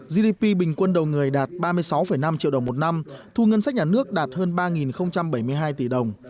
gdp bình quân đầu người đạt ba mươi sáu năm triệu đồng một năm thu ngân sách nhà nước đạt hơn ba bảy mươi hai tỷ đồng